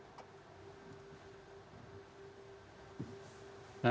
di miling miling ke arah utara